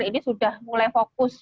ini sudah mulai fokus